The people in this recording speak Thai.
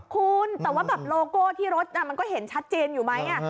คุณแต่ว่าแบบโลโก้ที่รถมันก็เห็นชัดเจนอยู่ไหม